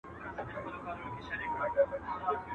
چا چي سوځولي زموږ د کلیو خړ کورونه دي.